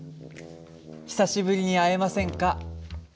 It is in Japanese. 久しぶりに会えませんか？」。